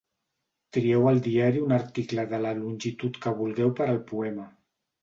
Trieu al diari un article de la longitud que vulgueu per al poema.